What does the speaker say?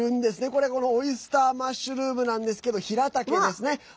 これ、オイスターマッシュルームなんですけど、ヒラタケですね。